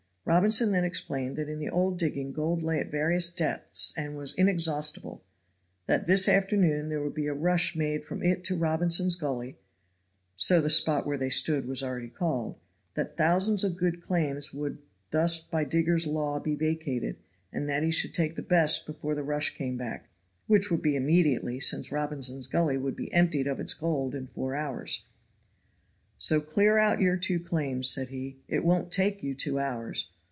Robinson then explained that in the old digging gold lay at various depths and was inexhaustible; that this afternoon there would be a rush made from it to Robinson's Gully (so the spot where they stood was already called); that thousands of good claims would thus by diggers' law be vacated; and that he should take the best before the rush came back, which would be immediately, since Robinson's Gully would be emptied of its gold in four hours. "So clear out your two claims," said he. "It won't take you two hours.